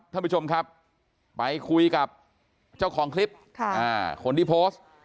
ท่านผู้ชมครับไปคุยกับเจ้าของคลิปคนที่โพสต์